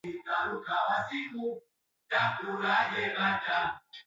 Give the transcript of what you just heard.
video za muziki wao zimekuwa na ubora mzuri kama tu nyimbo za wasanii wengine